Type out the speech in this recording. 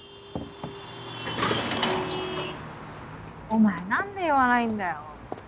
お前何で言わないんだよ。